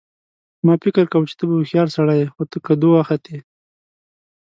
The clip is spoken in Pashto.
ما فکر کاوه چې ته به هوښیار سړی یې خو ته کدو وختې